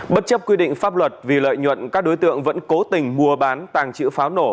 bất chấp quy định pháp luật vì lợi nhuận các đối tượng vẫn cố tình mua bán tàng trữ pháo nổ